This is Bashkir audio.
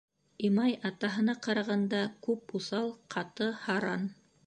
Имай атаһына ҡарағанда күп уҫал, ҡаты, һаран.